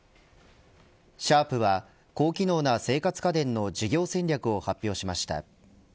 シャープは高機能な生活家電の事業戦略を発表しました。